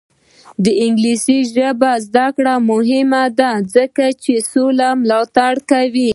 د انګلیسي ژبې زده کړه مهمه ده ځکه چې سوله ملاتړ کوي.